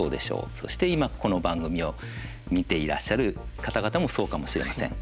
そして今、この番組を見ていらっしゃる方々もそうかもしれません。